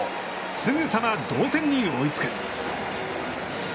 すぐさま同点に追いつく。